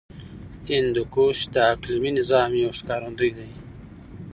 هندوکش د اقلیمي نظام یو ښکارندوی دی.